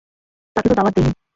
তাকে তো দাওয়াত দেইনি।